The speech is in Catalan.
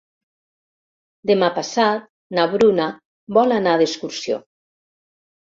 Demà passat na Bruna vol anar d'excursió.